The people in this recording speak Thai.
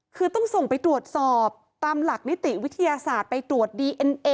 คือต้องส่งไปตรวจสอบตามหลักนิติวิทยาศาสตร์ไปตรวจดีเอ็นเอ